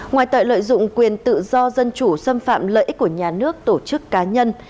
ngoài tội lợi dụng quyền tự do dân chủ xâm phạm lợi ích của nhà nước tổ chức cá nhân